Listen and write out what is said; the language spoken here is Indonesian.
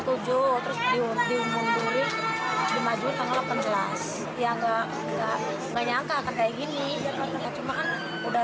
tujuh terus diundur di maju tanggal delapan belas ya enggak enggak enggak nyangka akan kayak gini cuman udah